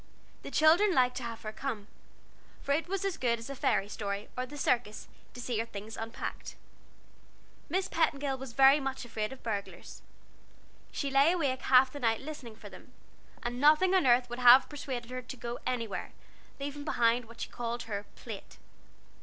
The children liked to have her come, for it was as good as a fairy story, or the circus, to see her things unpacked. Miss Petingill was very much afraid of burglars; she lay awake half the night listening for them and nothing on earth would have persuaded her to go anywhere, leaving behind what she called her "Plate."